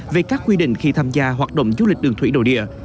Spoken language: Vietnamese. về các quy định khi tham gia hoạt động du lịch đường thủy nội địa